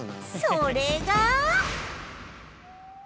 それが